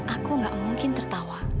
aku gak mungkin tertawa